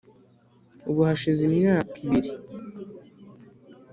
ubu hashize imyaka ibiri.